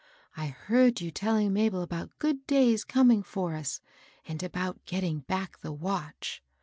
^^I heard you telling Mabel about good days coming for us, and about getting back the watch.